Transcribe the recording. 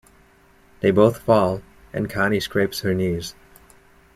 They both fall, and Connie scrapes her knees.